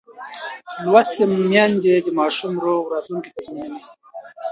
لوستې میندې د ماشوم روغ راتلونکی تضمینوي.